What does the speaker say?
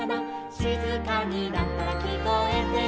「しずかになったらきこえてくるよ」